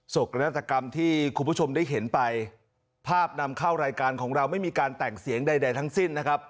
กนาฏกรรมที่คุณผู้ชมได้เห็นไปภาพนำเข้ารายการของเราไม่มีการแต่งเสียงใดทั้งสิ้นนะครับ